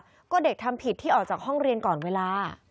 ครูก็บอกว่าก็เด็กทำผิดที่ออกจากห้องเรียนก่อนเวลา